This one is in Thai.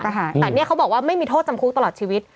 แต่เนี่ยเขาบอกว่าไม่มีโทษจำคุกตลอดชีวิต